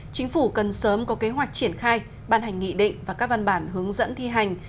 chính phủ cần sớm có kế hoạch triển khai ban hành nghị định và các văn bản hướng dẫn thi hành